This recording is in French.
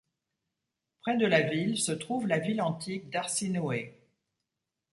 Près de la ville se trouve la ville antique d'Arsinoé.